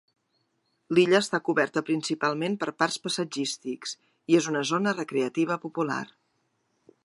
L'illa està coberta principalment per parcs paisatgístics, i és una zona recreativa popular.